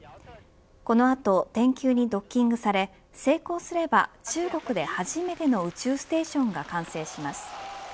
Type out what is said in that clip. この後、天宮にドッキングされ成功すれば中国で初めての宇宙ステーションが完成します。